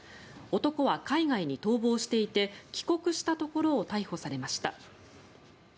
男は海外に逃亡していて帰国したところを逮捕されました。